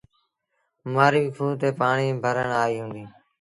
مآرويٚ کوه تي پآڻيٚ ڀرڻ آئيٚ هُݩديٚ۔